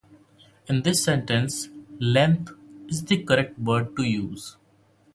In this sentence, "length" is the correct word to use.